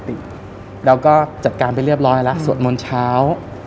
กุฏิแล้วก็จัดการไปเรียบร้อยแล้วสวดม้นเช้า